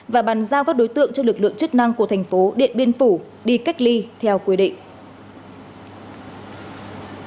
và bàn giao các đối tượng cho lực lượng chức năng của thành phố điện biên phủ đi cách ly theo quy định